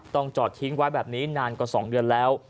จอดทิ้งไว้แบบนี้นานกว่า๒เดือนแล้ว